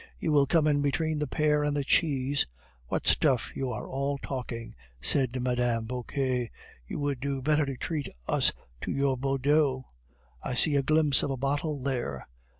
"You will come in between the pear and the cheese." "What stuff are you all talking!" said Mme. Vauquer; "you would do better to treat us to your Bordeaux; I see a glimpse of a bottle there.